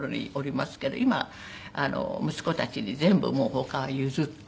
今息子たちに全部もう他は譲って。